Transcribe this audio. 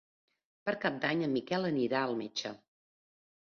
Per Cap d'Any en Miquel anirà al metge.